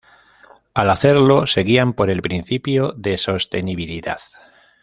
Al hacerlo, se guían por el principio de sostenibilidad.